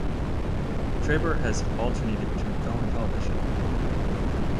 Trebor has alternated between film and television.